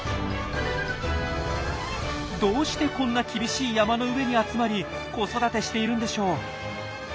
どうしてこんな厳しい山の上に集まり子育てしているんでしょう？